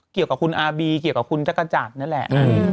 เกี่ยวกับคุณอาร์บีเกี่ยวกับคุณจักรจันทร์นั่นแหละ